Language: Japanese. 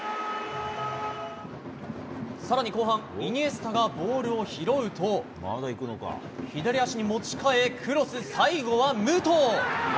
更に後半イニエスタがボールを拾うと左足に持ち替えクロス最後は武藤！